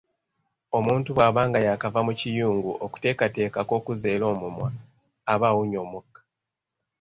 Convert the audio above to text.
Omuntu bw'aba nga yaakava mu kiyungu okuteekateeka ak'okuzza eri omumwa, aba awunya omukka.